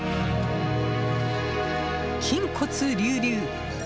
筋骨隆々！